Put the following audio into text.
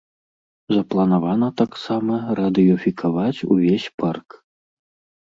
Запланавана таксама радыёфікаваць увесь парк.